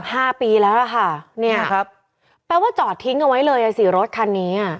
ห้าปีแล้วล่ะค่ะเนี่ยครับแปลว่าจอดทิ้งเอาไว้เลยอ่ะสิรถคันนี้อ่ะ